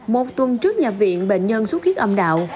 một tuần trước nhà viện bệnh nhân suốt huyết âm đạo